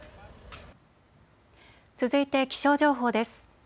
続いて気象情報です。